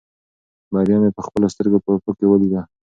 بریا مې په خپلو سترګو په افق کې ولیده.